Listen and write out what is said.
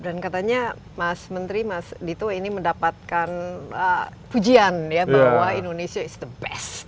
dan katanya mas menteri mas dito ini mendapatkan pujian ya bahwa indonesia is the best